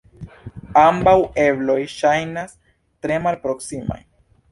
Ambaŭ ebloj ŝajnas tre malproksimaj.